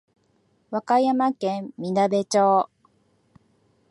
和歌山県みなべ町